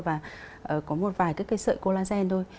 và có một vài cái sợi collagen thôi